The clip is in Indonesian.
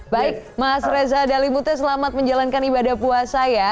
baik mas reza dalimute selamat menjalankan ibadah puasa ya